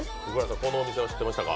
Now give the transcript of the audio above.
このお店は知ってましたか？